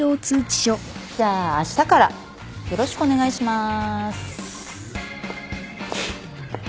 じゃああしたからよろしくお願いします。